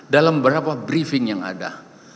dalam berapa briefing yang ada